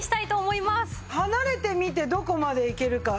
離れてみてどこまでいけるか。